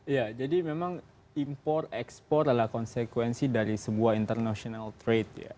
ya jadi memang impor ekspor adalah konsekuensi dari sebuah international trade ya